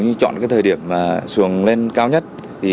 như chọn thời điểm xuồng lên cao nhất